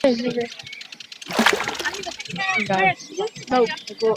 曾获多样荣誉和奖项。